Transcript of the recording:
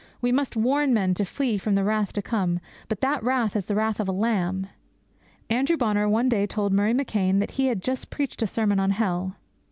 We must warn men to flee from the wrath to come; but that wrath is the wrath of a Lamb. Andrew Bonar one day told Murray McCheyne that he had just preached a sermon on hell.